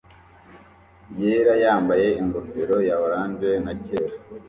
yera yambaye ingofero ya orange na cyera